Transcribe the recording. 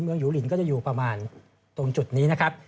หยูลินก็จะอยู่ประมาณตรงจุดนี้นะครับ